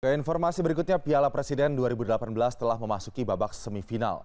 keinformasi berikutnya piala presiden dua ribu delapan belas telah memasuki babak semifinal